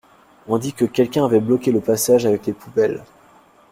On dit que quelqu’un avait bloqué le passage avec les poubelles.